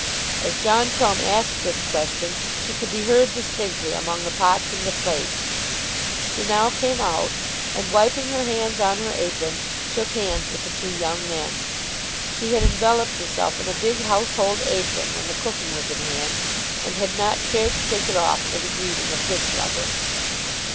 As John Crumb asked this question she could be heard distinctly among the pots and the plates. She now came out, and wiping her hands on her apron, shook hands with the two young men. She had enveloped herself in a big household apron when the cooking was in hand, and had not cared to take it off for the greeting of this lover.